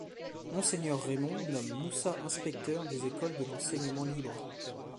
Monseigneur Rémond nomme Moussa Inspecteur des écoles de l’enseignement libre.